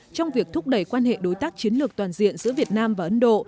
trong việc thúc đẩy quan hệ đối tác chiến lược toàn diện giữa việt nam và ấn độ